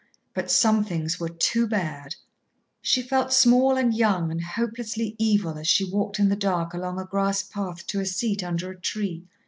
But some things were too bad. She felt small and young and hopelessly evil as she walked in the dark along a grass path to a seat under a tree.